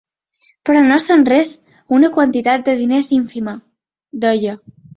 Però no són res, una quantitat de diners ínfima, deia.